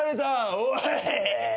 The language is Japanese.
おい！